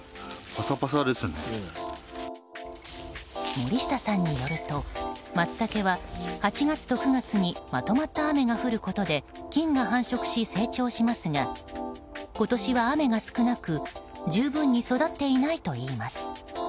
森下さんによるとマツタケは８月と９月にまとまった雨が降ることで菌が繁殖し、成長しますが今年は雨が少なく十分に育っていないといいます。